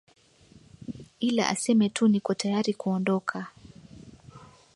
ila aseme tu niko tayari kuondoka